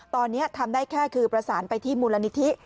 ตอนนี้ทำได้แค่คือประสานไปที่มูลนิธิ